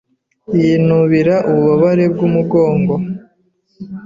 yinubira ububabare bw'umugongo.